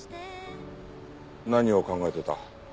何を考えてた？